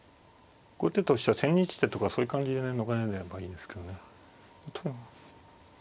後手としては千日手とかそういう感じでね逃れればいいですけどね。